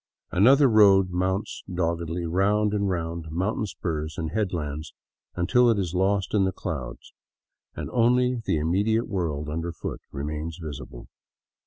Another road mounts doggedly round and round mountain spurs and headlands until it is lost in clouds, and only the immediate world underfoot re mains visible.